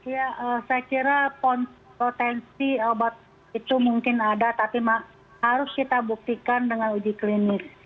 ya saya kira potensi obat itu mungkin ada tapi harus kita buktikan dengan uji klinis